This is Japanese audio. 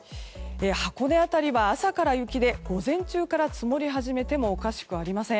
箱根辺りは朝から雪で午前中から積もり始めてもおかしくありません。